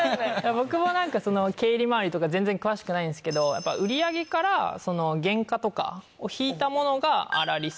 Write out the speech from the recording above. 僕も経理まわりとか全然詳しくないんですけど売り上げから原価とかを引いたものが粗利っすね。